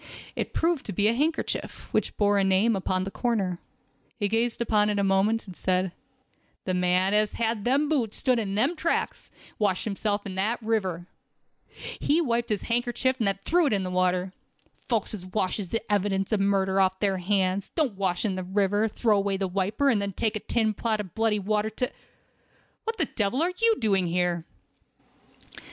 It proved to be a handkerchief, which bore a name upon the corner. He gazed upon it a moment, and said: "The man as had on them boots stood in them tracks, and washed himself in that river. He wiped upon this hankercher and then threw it into the water. Folks as washes the evidence of murder off their hands, don't wash in the river, throw away the wiper, and then take a tin pot of bloody water to—" "What the devil are you doing here?"